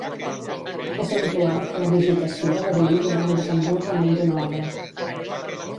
És habitual que la digitació variï durant el desenvolupament d’una obra.